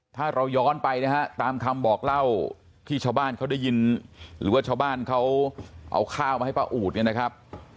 ถ้าเราย้อนไปนะฮะตามคำบอกเล่าที่ชาวบ้านเขาได้ยินหรือว่าชาวบ้านเขาเอาข้าวมาให้ป้าอูดเนี่ยนะครับ